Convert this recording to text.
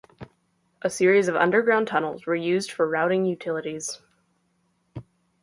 A series of underground tunnels were used for routing utilities.